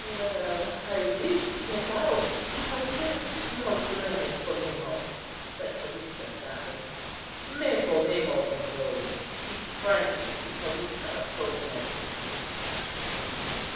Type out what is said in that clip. "Well, I wish to get out, if I could, most learned Polemo," said Callista sadly. "May Polemo of Rhodes speak frankly to Callista of Proconnesus?" asked Polemo.